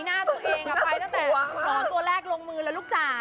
หน้าตัวเองไปตั้งแต่หมอตัวแรกลงมือแล้วลูกจ๋า